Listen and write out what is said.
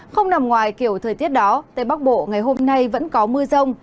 không nằm ngoài kiểu thời tiết đó tây bắc bộ ngày hôm nay vẫn có mưa rông